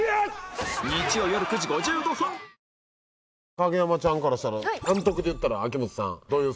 影山ちゃんからしたら監督でいったら秋元さん。